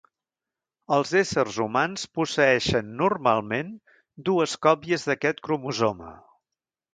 Els éssers humans posseeixen normalment dues còpies d'aquest cromosoma.